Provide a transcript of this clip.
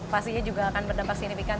pastinya juga akan berdampak signifikan